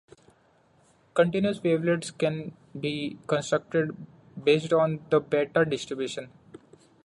Continuous wavelets can be constructed based on the beta distribution.